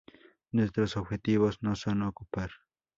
Nuestros objetivos no son ocupar